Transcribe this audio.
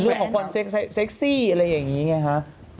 เป็นเรื่องของคนเซ็กซี่อะไรอย่างนี้ไงหา